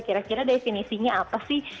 kira kira definisinya apa sih